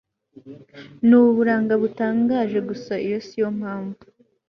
nuburanga butangaje Gusa iyo siyo mpamvu